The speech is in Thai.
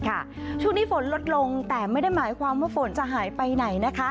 ช่วงนี้ฝนลดลงแต่ไม่ได้หมายความว่าฝนจะหายไปไหนนะคะ